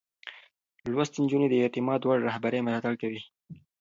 لوستې نجونې د اعتماد وړ رهبرۍ ملاتړ کوي.